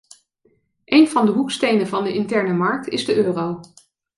Een van de hoekstenen van de interne markt is de euro.